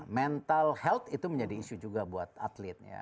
mental health itu menjadi isu juga buat atletnya